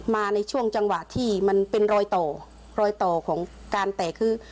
มาในช่วงจังหวะที่มันเป็นรอยต่อรอยต่อของการแตกคือ